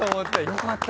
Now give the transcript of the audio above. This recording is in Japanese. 良かった。